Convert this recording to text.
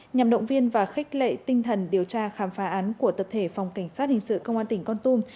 nhằm động viên và khích lệ tinh thần điều tra khám phá án của tập thể phòng cảnh sát hình sự công an tỉnh con tum